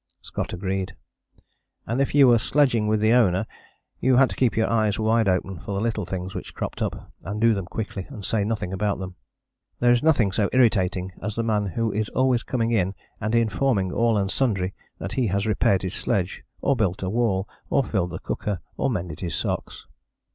Scott agreed. And if you were "sledging with the Owner" you had to keep your eyes wide open for the little things which cropped up, and do them quickly, and say nothing about them. There is nothing so irritating as the man who is always coming in and informing all and sundry that he has repaired his sledge, or built a wall, or filled the cooker, or mended his socks.